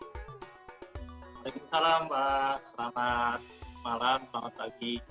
waalaikumsalam mbak selamat malam selamat pagi